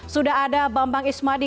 sudah ada bambang ismadi